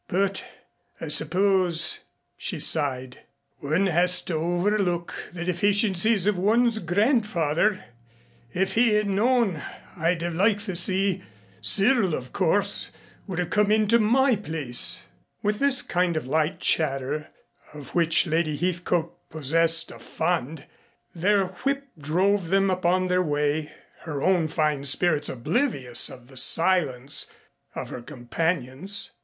But I suppose," she sighed, "one has to overlook the deficiencies of one's grandfather. If he had known I'd have liked the sea, Cyril, of course, would have come into my place." With this kind of light chatter, of which Lady Heathcote possessed a fund, their whip drove them upon their way, her own fine spirits oblivious of the silence of her companions.